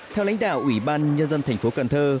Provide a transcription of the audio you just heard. theo lãnh đạo ủy ban nhân dân tp cần thơ